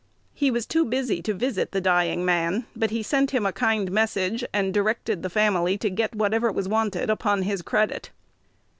He was too busy to visit the dying man, but sent him a kind message, and directed the family to get whatever was wanted upon his credit.